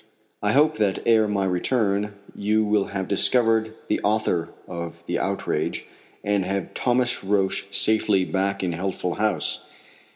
I hope that ere my return you will have discovered the author of the outrage, and have Thomas Roch safely back in Healthful House.